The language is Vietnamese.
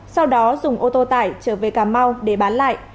sau đó dùng ô tô tải trở về cà mau để bán lại